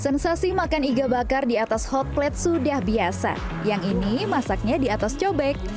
sensasi makan iga bakar di atas hot plate sudah biasa yang ini masaknya di atas cobek